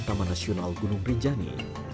taman nasional gunung rinjani